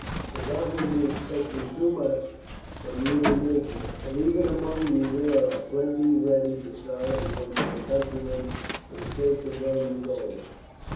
But that would be expecting too much from human nature, and even among you there are plenty ready to side against their countrymen for the sake of Roman gold.